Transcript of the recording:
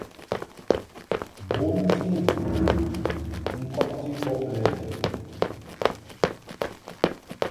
Bomti ŋgə ŋkɔbti bɔ lɛ mɨ.